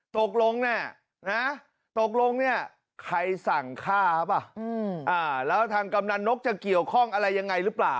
ตกลงนี่ใครสั่งฆ่าแล้วทางกำนันนกจะเกี่ยวข้องอะไรอย่างไรหรือเปล่า